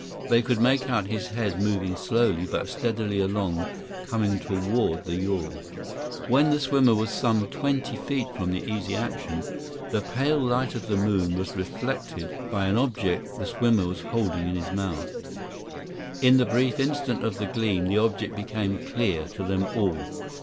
They could make out his head moving slowly, but steadily along, coming toward the yawl. When the swimmer was some twenty feet from the Easy Action, the pale light of the moon was reflected by an object the swimmer was holding in his mouth. In the brief instant of the gleam, the object became clear to them all.